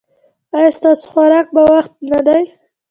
ایا ستاسو خوراک په وخت نه دی؟